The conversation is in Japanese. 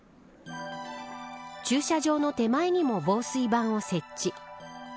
駐車場の手前にも防水板を設置。